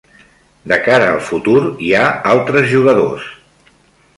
De cara al futur hi ha altres jugadors.